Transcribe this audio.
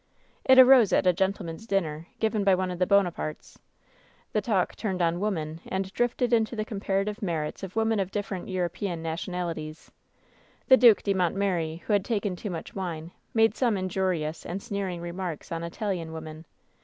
" 'It arose at a gentlemen's dinner, given by one of the Bonapartes. The talk turned on women, and drifted into the comparative* merits of women of different Euro pean nationalities. The Due de Montmeri, who had taken too much wine, made some injurious and sneering remarks on Italian women.